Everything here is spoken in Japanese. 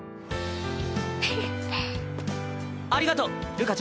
ありがとうるかちゃん。